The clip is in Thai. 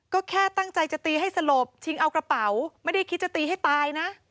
ก็แค่ตั้งใจจะตีให้สลบชิงเอากระเป๋าไม่ได้คิดจะตีให้ตายนะ